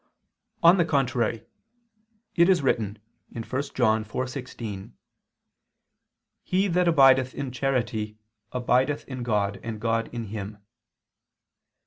On the contrary, It is written (1 John 4:16): "He that abideth in charity abideth in God, and God in him."